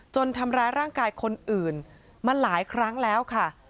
ทำร้ายร่างกายคนอื่นมาหลายครั้งแล้วค่ะ